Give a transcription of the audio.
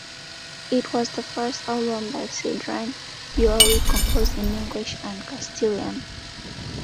It was the first album by Sidran dually composed in English and Castilian.